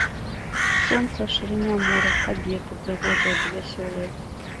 Сонца, шырыня мора, кабеты прыгожыя ды вясёлыя.